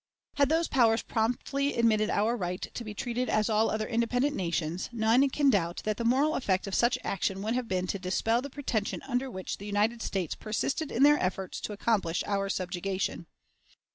Had those powers promptly admitted our right to be treated as all other independent nations, none can doubt that the moral effect of such action would have been to dispel the pretension under which the United States persisted in their efforts to accomplish our subjugation.